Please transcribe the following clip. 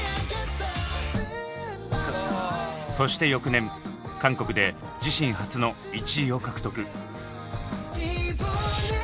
そして翌年韓国で自身初の１位を獲得。